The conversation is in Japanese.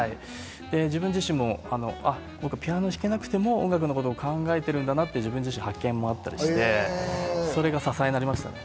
僕自身もピアノ弾けなくても、音楽のことを考えてるんだなっていう発見があったりして、それが支えになりました。